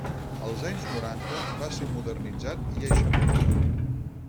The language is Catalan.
Als anys noranta va ser modernitzat i eixamplat.